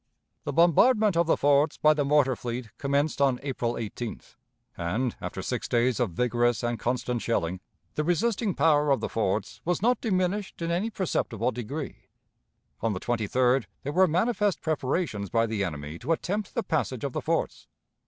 The bombardment of the forts by the mortar fleet commenced on April 18th, and, after six days of vigorous and constant shelling, the resisting power of the forts was not diminished in any perceptible degree. On the 23d there were manifest preparations by the enemy to attempt the passage of the forts.